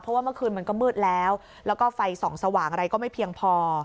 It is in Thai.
เพราะว่าเมื่อคืนมันก็มืดแล้วแล้วก็ไฟส่องสว่างอะไรก็ไม่เพียงพอ